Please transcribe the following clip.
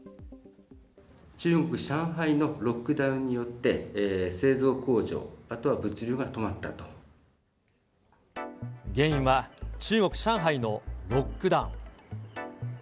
中国・上海のロックダウンによって製造工場、あとは物流が止原因は中国・上海のロックダウン。